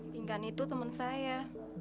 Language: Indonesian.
tingkan itu temen saya